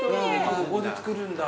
ここで作るんだ。